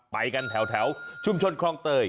ไปกันแถวชุมชนคลองเตย